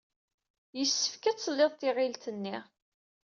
Yessefk ad talyed tiɣilt-nni.